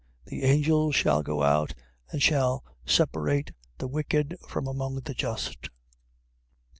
The angels shall go out, and shall separate the wicked from among the just.